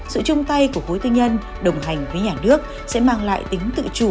sự chung tay của hối tư nhân đồng hành với nhà nước sẽ mang lại tính tự chủ